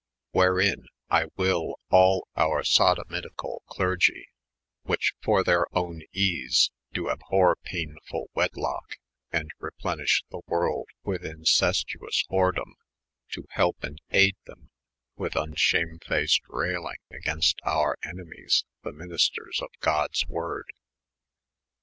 Wherein, I wyl al onr Sodo mitical Clei^e, which for their owne ease do abhorre paynfiill wedlocke, and replenish the worlde with incestuous whoredome, to helpe and ayde them with vnehamefiist railyng agaynst our enemies, the ministers of Goddes worde.